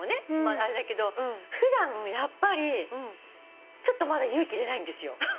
あれだけど普段やっぱりちょっとまだ勇気出ないんですよ。